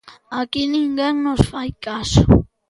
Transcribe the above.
Aquí ninguén nos fai caso.